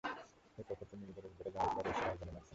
একে অপরকে নিজেদের অভিজ্ঞতা জানাতে পারে এইসব আয়োজনের মাধ্যমে।